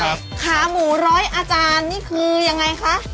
ขาหมูร้อยอาจารย์นี่คือยังไงคะ